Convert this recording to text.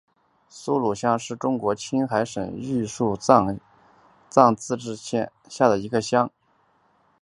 苏鲁乡是中国青海省玉树藏族自治州杂多县下辖的一个乡。